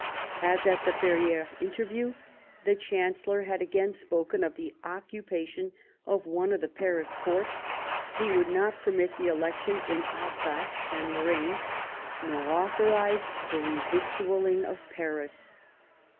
As at the Ferrieres interview, the Chancellor had again spoken of the occupation of one of the Paris forts ; he would not permit the election in Alsace and Lorraine, nor authorize the revictualling of Paris.